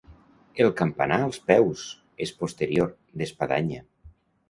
El campanar, als peus, és posterior, d'espadanya.